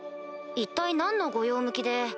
一体何のご用向きで。